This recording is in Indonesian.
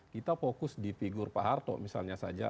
kita fokus di figur pak harto misalnya saja